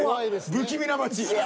不気味な街。